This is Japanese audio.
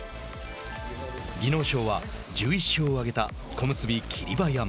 技能賞は１１勝を挙げた小結・霧馬山。